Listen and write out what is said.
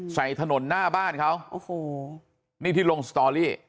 ใส่ถนนหน้าบ้านเขาโอ้โหนี่ที่ลงสตอรี่